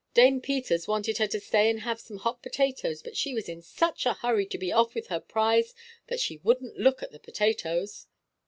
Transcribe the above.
Dame Peters wanted her to stay and have some hot potatoes; but she was in such a hurry to be off with her prize that she wouldn't look at the potatoes."